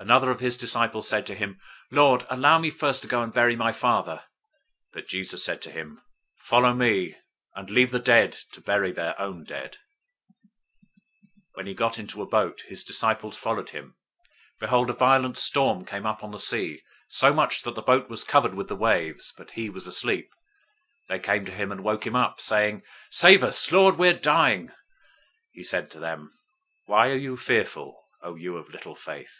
008:021 Another of his disciples said to him, "Lord, allow me first to go and bury my father." 008:022 But Jesus said to him, "Follow me, and leave the dead to bury their own dead." 008:023 When he got into a boat, his disciples followed him. 008:024 Behold, a violent storm came up on the sea, so much that the boat was covered with the waves, but he was asleep. 008:025 They came to him, and woke him up, saying, "Save us, Lord! We are dying!" 008:026 He said to them, "Why are you fearful, O you of little faith?"